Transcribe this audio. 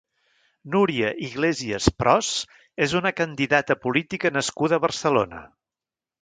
Núria Iglesias Pros és una candidata política nascuda a Barcelona.